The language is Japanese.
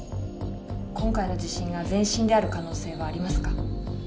今回の地震が前震である可能性はありますか？